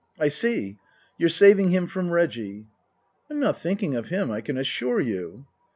" I see. You're saving him from Reggie." " I'm not thinking of him, I can assure you."